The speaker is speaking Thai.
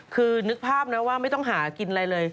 คือนึกภาพนะว่าไม่ต้องหากินอะไรเลย